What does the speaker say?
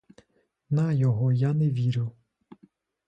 На його я не вірю.